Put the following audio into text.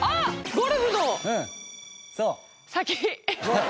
ゴルフの先。